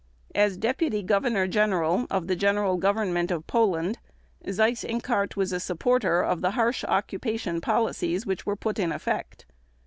As Deputy Governor General of the General Government of Poland, Seyss Inquart was a supporter of the harsh occupation policies which were put in effect.